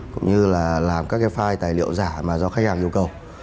cũng như là làm các cái file tài liệu giả mà do khách hàng yêu cầu